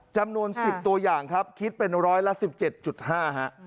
จำนวน๑๐ตัวอย่างครับคิดเป็นร้อยละ๑๗๕ฮะ